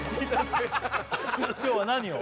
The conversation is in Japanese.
今日は何を？